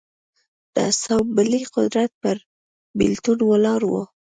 د اسامبلې قدرت پر بېلتون ولاړ و.